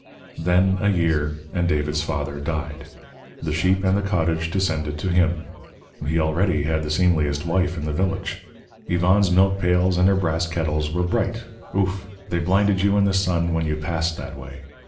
Then a year, and David's father died. The sheep and the cottage descended to him. He already had the seemliest wife in the village. Yvonne's milk pails and her brass kettles were bright ouf! they blinded you in the sun when you passed that way.